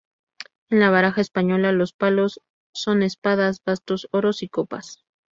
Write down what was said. En la baraja española, los palos son: espadas, bastos, oros y copas.